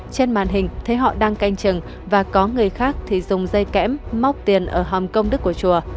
trên màn hình thấy họ đang canh chừng và có người khác thì dùng dây kẽm móc tiền ở hòm công đức của chùa